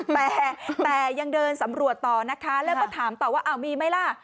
แต่แต่ยังเดินสำรวจต่อนะคะแล้วก็ถามต่อว่าอ้าวมีไหมล่ะ